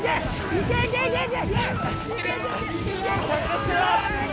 いけいけいけいけ！